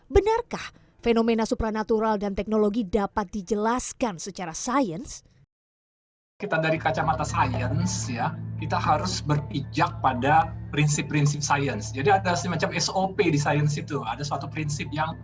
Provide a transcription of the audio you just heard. benarkah fenomena supranatural dan teknologi dapat dijelaskan secara sains